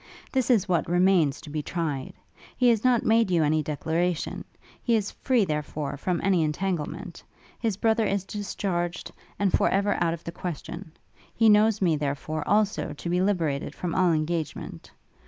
This is what remains to be tried. He has not made you any declaration; he is free, therefore, from any entanglement: his brother is discharged, and for ever out of the question; he knows me, therefore, also, to be liberated from all engagement.